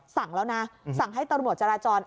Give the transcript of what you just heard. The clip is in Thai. สั่งแล้วนะสั่งให้ตำรวจจราจร